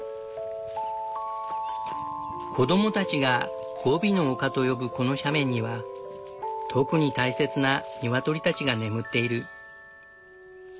子供たちが「ゴビの丘」と呼ぶこの斜面には特に大切なニワトリたちが眠っている。